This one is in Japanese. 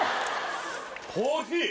コーヒー？